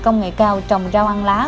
công nghệ cao trồng rau ăn lá